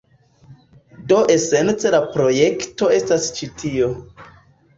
Do esence la projekto estas ĉi tio.